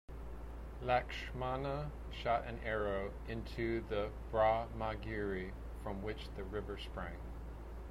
Lakshmana shot an arrow into the Brahmagiri from which the river sprang.